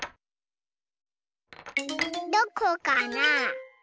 どこかな？